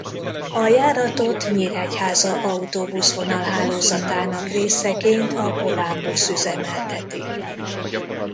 A járatot Nyíregyháza autóbuszvonal-hálózatának részeként a Volánbusz üzemelteti.